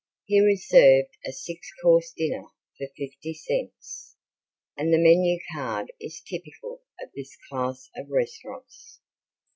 Here is served a six course dinner for fifty cents, and the menu card is typical of this class of restaurants.